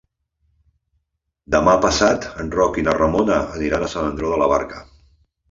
Demà passat en Roc i na Ramona aniran a Sant Andreu de la Barca.